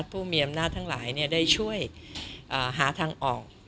ผู้มีอำนาจทั้งหลายได้ช่วยหาทางออก